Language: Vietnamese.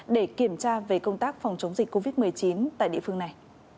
để kiểm tra về công tác phòng chống dịch covid một mươi chín tại địa phương này